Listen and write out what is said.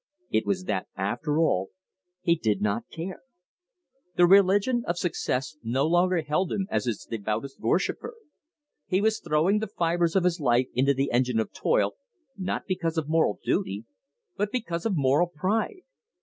It was that after all he did not care. The religion of Success no longer held him as its devoutest worshiper. He was throwing the fibers of his life into the engine of toil, not because of moral duty, but because of moral pride.